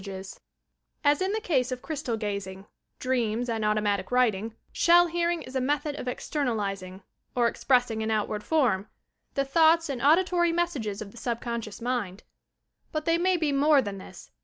154 YOUR PSYCHIC POWERS As in the case of Crystal Gazing, Dreams and Auto matic Writing, Shell Hearing is a method of "exter nalizing," or expressing in outward form, the thoughts and auditory messages of the subconscious mind. they may be more than this.